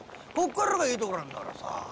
「こっからがいいところなんだからさ」。